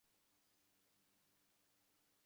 তিনি দাওয়াতুল হক নামক সংস্থা প্রতিষ্ঠা করেন।